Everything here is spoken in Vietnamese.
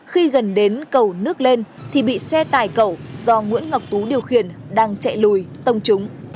khi gần đến cầu nước lên thì bị xe tải cẩu do nguyễn ngọc tú điều khiển đang chạy lùi tông trúng